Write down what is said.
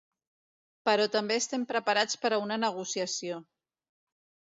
Però també estem preparats per a una negociació.